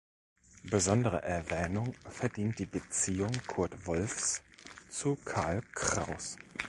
Besondere Erwähnung verdient die Beziehung Kurt Wolffs zu Karl Kraus.